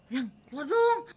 yang keluar dulu